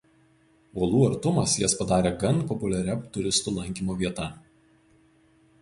Uolų artumas jas padarė gan populiaria turistų lankymo vieta.